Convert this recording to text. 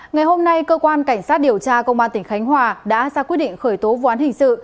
ngày hôm nay cơ quan cảnh sát điều tra công an tỉnh khánh hòa đã ra quyết định khởi tố vụ án hình sự